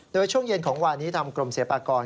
โดยช่วงเย็นของวานี้ทางกรมศิลปากร